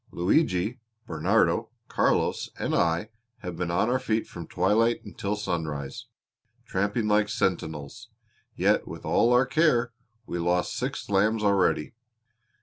Luigi, Bernardo, Carlos, and I have been on our feet from twilight until sunrise, tramping like sentinels; yet with all our care we have lost six lambs already.